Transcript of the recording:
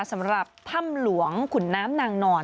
สำหรับถ้ำหลวงขุนน้ำนางนอน